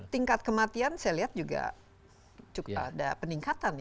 tingkat kematian saya lihat juga ada peningkatan ya